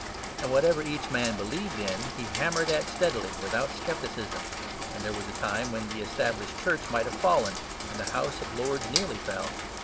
And whatever each man believed in he hammered at steadily, without scepticism: and there was a time when the Established Church might have fallen, and the House of Lords nearly fell.